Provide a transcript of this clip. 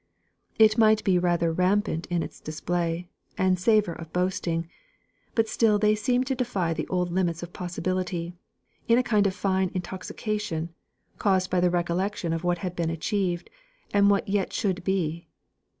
It might be rather rampant in its display, and savour of boasting; but still they seemed to defy the old limits of possibility, in a kind of fine intoxication, caused by the recollection of what had been achieved, and what yet should be.